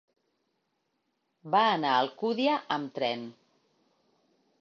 Va anar a Alcúdia amb tren.